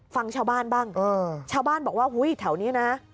ฟังชาวบ้านบ้างชาวบ้านบอกว่าอุ้ยแถวนี้นะ